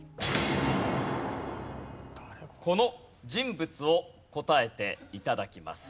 この人物を答えて頂きます。